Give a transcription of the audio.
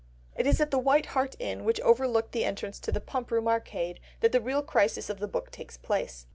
It is at the White Hart Inn, which overlooked the entrance to the Pump Room Arcade, that the real crisis of the book takes place.